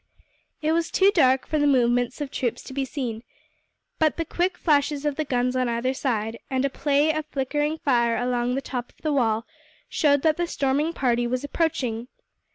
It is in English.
It was too dark for the movements of troops to be seen, but the quick flashes of the guns on either side, and a play of flickering fire along the top of the wall showed that the storming party was approaching.